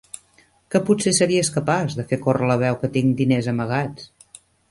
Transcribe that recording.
Que potser series capaç de fer córrer la veu que tinc diners amagats?